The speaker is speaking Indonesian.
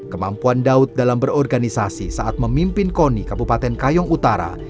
kemampuan daud dalam berorganisasi saat memimpin koni kabupaten kayong utara